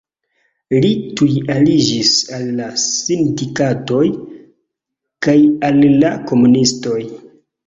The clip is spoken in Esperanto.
Li tuj aliĝis al la sindikatoj kaj al la komunistoj.